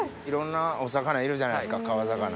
いろんなお魚いるじゃないですか川魚。